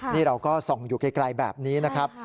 นี่เราก็ส่องอยู่ไกลแบบนี้นะครับ